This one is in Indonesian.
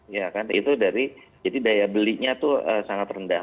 ya kan itu dari jadi daya belinya itu sangat rendah